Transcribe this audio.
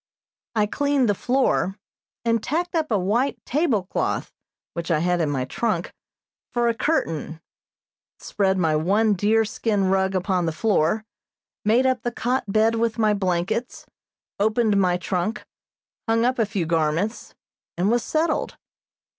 I cleaned the floor, and tacked up a white tablecloth which I had in my trunk, for a curtain; spread my one deer skin rug upon the floor, made up the cot bed with my blankets, opened my trunk, hung up a few garments, and was settled.